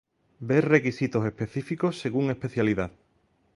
Ver requisitos específicos según Especialidad.